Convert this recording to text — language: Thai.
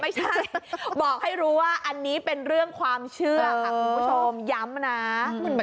ไม่ใช่บอกให้รู้ว่าอันนี้เป็นเรื่องความเชื่อค่ะคุณผู้ชมย้ำนะ